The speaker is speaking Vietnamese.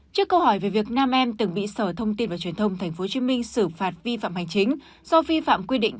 trước câu hỏi về việc nam em từng bị sở thông tin và truyền thông tp hcm xử phạt vi phạm hành chính do vi phạm quy định